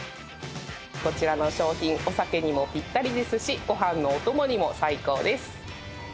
こちらの商品お酒にもぴったりですしご飯のおともにも最高です。